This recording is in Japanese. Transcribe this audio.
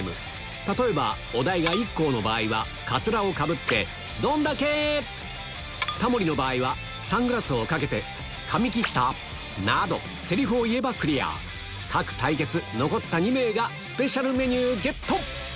例えばお題がＩＫＫＯの場合はカツラをかぶって「どんだけ」タモリの場合はサングラスをかけて「髪切った？」などセリフを言えばクリア各対決残った２名がスペシャルメニューゲット！